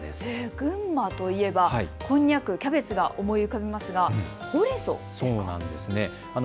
群馬といえば、こんにゃく、キャベツが思い浮かびますがほうれんそうですか。